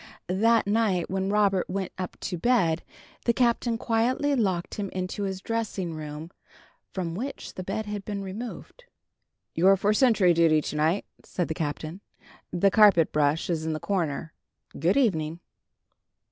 That night, when Robert went up to bed, the Captain quietly locked him into his dressing room, from which the bed had been removed. "You're for sentry duty, to night," said the Captain. "The carpet brush is in the corner. Good evening."